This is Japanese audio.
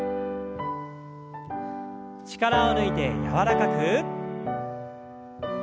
力を抜いて柔らかく。